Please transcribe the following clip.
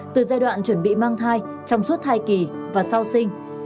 từ giai đoạn chuẩn bị mang thai trong suốt hai kỳ và sau sinh